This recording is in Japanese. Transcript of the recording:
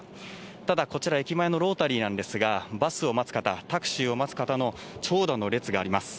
ただ、こちら、駅前のロータリーなんですが、バスを待つ方、タクシーを待つ方の長蛇の列があります。